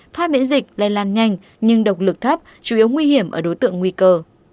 thoa miễn dịch lây lan nhanh nhưng độc lực thấp chủ yếu nguy hiểm ở đối tượng nguy cơ